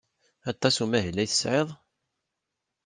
Aṭas n umahil ay tesɛid?